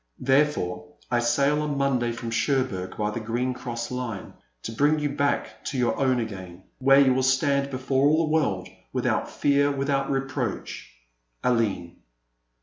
Therefore I sail on Monday from Cher bourg by the Green Cross Wne, to bring you back to your own again, where you will stand before all the world, without fear, without reproach,'* AWNB.